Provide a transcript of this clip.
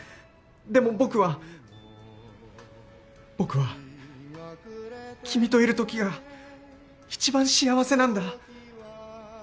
でも僕は僕は君といる時が一番幸せなんだ。